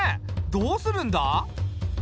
どうするんだ？